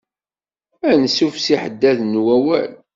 Ansuf s yiḥeddaden n wawal.